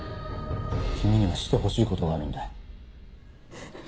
君にはしてほしいことがあるんだ。